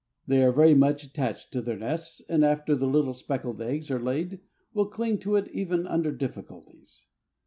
They are very much attached to their nest, and after the little speckled eggs are laid will cling to it even under difficulties.